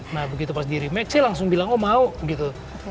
nah begitu pas di rematch saya langsung bilang oh mau gitu